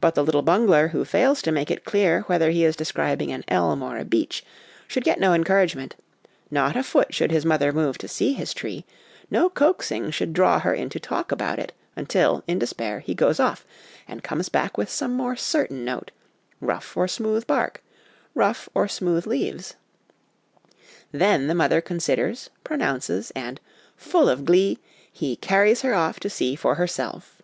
But the little bungler, who fails to make it clear whether he is describing an elm or a beech, should get no encouragement; not a foot should his mother move to see his tree, no coaxing should draw her into talk about it, until, in despair, he goes off, and comes back with some more certain note rough or smooth bark, rough or smooth leaves, then the mother considers, pronounces, and, full of glee, he carries her off to see for herself.